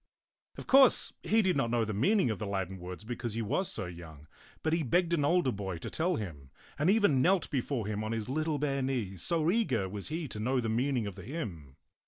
Of course he did not know the meaning of the Latin words because he was so young ; but he begged an older boy to tell him, and even knelt be fore him on his little bare knees, so eager was he to know the meaning of the hymn.